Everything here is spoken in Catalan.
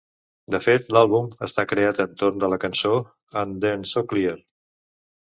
De fet, l'àlbum està creat entorn de la cançó "And Then So Clear".